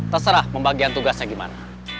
terserah pembagian tugasnya gimana